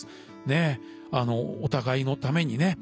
ねえあのお互いのためにね